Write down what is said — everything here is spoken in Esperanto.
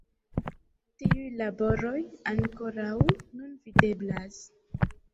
Tiuj laboroj ankoraŭ nun videblas.